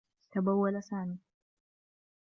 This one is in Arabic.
تبوّل سامي.